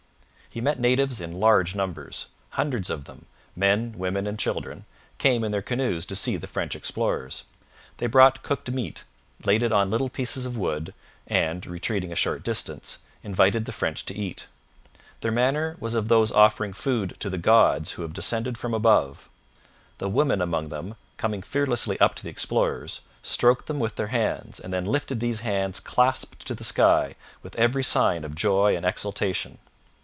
He met natives in large numbers. Hundreds of them men, women, and children came in their canoes to see the French explorers. They brought cooked meat, laid it on little pieces of wood, and, retreating a short distance, invited the French to eat. Their manner was as of those offering food to the gods who have descended from above. The women among them, coming fearlessly up to the explorers, stroked them with their hands, and then lifted these hands clasped to the sky, with every sign of joy and exultation.